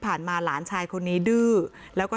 หลานชายคนนี้ดื้อแล้วก็